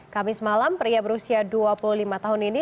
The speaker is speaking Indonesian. kamis malam pria berusia dua puluh lima tahun ini